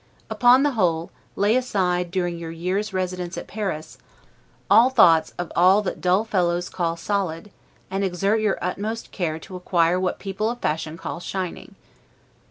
Upon the whole, lay aside, during your year's residence at Paris, all thoughts of all that dull fellows call solid, and exert your utmost care to acquire what people of fashion call shining.